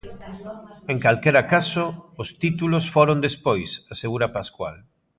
En calquera caso, "os títulos foron despois", asegura Pascual.